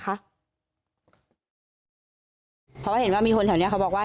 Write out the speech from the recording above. เพราะว่าเห็นว่ามีคนแถวนี้เขาบอกว่า